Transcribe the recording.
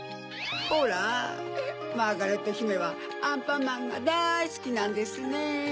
ホラマーガレットひめはアンパンマンがだいすきなんですね！